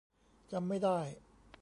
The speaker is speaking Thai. จำไม่ได้